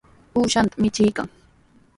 Uushanta michiykan.